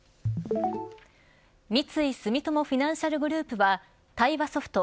三井住友フィナンシャルグループは対話ソフト